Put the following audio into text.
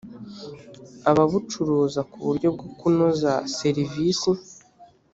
ababucuruza ku buryo bwo kunoza serivisi